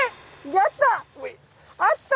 やった！